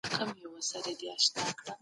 کله نا کله په ګیله کي یارانه پاته سي